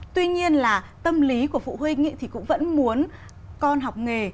tuy nhiên là tâm lý của phụ huynh thì cũng vẫn muốn con học nghề